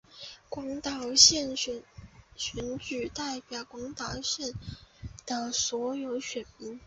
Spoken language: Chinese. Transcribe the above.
广岛县选举区代表广岛县的所有选民。